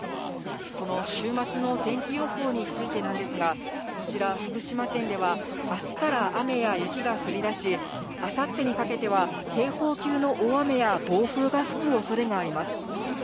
その週末の天気予報についてなんですが、こちら、福島県ではあすから雨や雪が降りだし、あさってにかけては警報級の大雨や暴風が吹くおそれがあります。